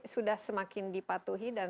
sudah semakin dipatuhi dan